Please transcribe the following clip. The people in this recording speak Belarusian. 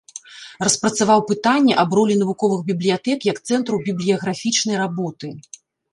Распрацаваў пытанне аб ролі навуковых бібліятэк як цэнтраў бібліяграфічнай работы.